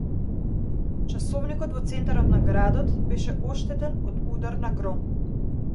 Часовникот во центарот на градот беше оштетен од удар на гром.